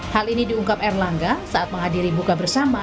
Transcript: hal ini diungkap erlangga saat menghadiri buka bersama